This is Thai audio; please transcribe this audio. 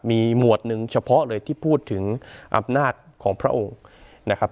มีหมวดหนึ่งเฉพาะเลยที่พูดถึงอำนาจของพระองค์นะครับ